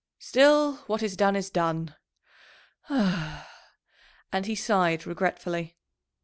Still, what is done is done." And he sighed regretfully.